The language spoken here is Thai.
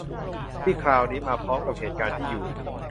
ที่คราวนี้มาพร้อมกับเหตุการณ์ที่อยู่